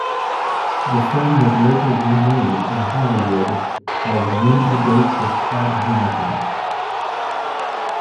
The film was later remade in Hollywood as Win a Date with Tad Hamilton!